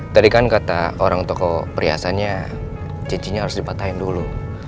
tadi kan kata orang toko perhiasannya cicinya harus dipatahin dulu